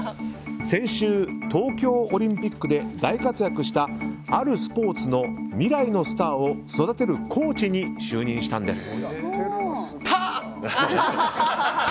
先週、東京オリンピックで大活躍したあるスポーツの未来のスターを育てるコーチに就任したんです。